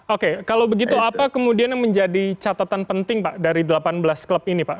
oke kalau begitu apa kemudian yang menjadi catatan penting pak dari delapan belas klub ini pak